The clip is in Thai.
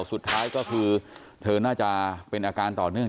สุดท้ายก็คือเธอน่าจะเป็นอาการต่อเนื่อง